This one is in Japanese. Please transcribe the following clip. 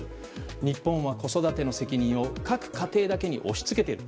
日本は子育ての責任を各家庭だけに押し付けている。